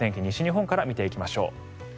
西日本から見ていきましょう。